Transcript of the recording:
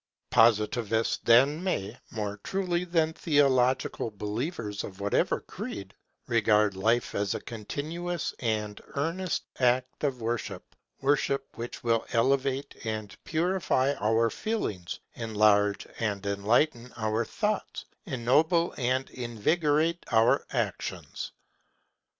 Positivists then may, more truly than theological believers of whatever creed, regard life as a continuous and earnest act of worship; worship which will elevate and purify our feelings, enlarge and enlighten our thoughts, ennoble and invigorate our actions.